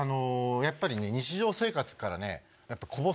やっぱり日常生活から。